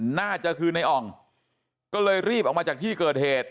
น่าจะคือในอ่องก็เลยรีบออกมาจากที่เกิดเหตุ